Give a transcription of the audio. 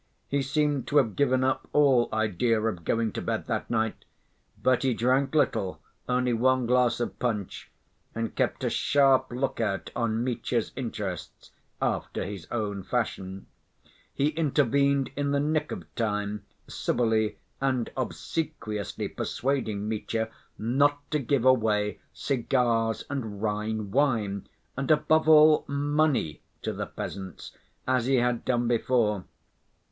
He seemed to have given up all idea of going to bed that night; but he drank little, only one glass of punch, and kept a sharp look‐out on Mitya's interests after his own fashion. He intervened in the nick of time, civilly and obsequiously persuading Mitya not to give away "cigars and Rhine wine," and, above all, money to the peasants as he had done before.